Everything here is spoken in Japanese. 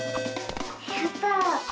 やった！